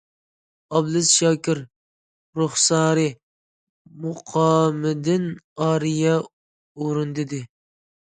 ئابلىز شاكىر‹‹ رۇخسارى›› مۇقامىدىن ئارىيە ئورۇندىدى.